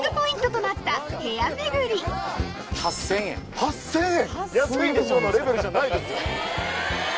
８０００円⁉